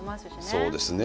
そうですね。